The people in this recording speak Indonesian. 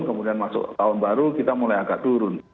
kemudian masuk tahun baru kita mulai agak turun